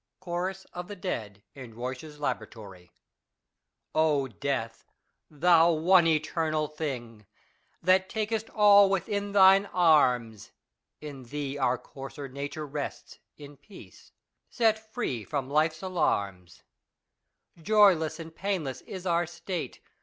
Chorus of tlie dead in Ruysch^s laboratory, Death, thou one eternal thing, That takest all within thine arms. In thee our coarser nature rests In peace, set free from life's alarms : Joyless and painless is our state.